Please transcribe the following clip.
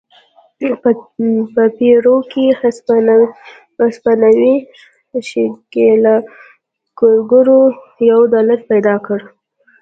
په پیرو کې هسپانوي ښکېلاکګرو یو دولت پیدا کړ.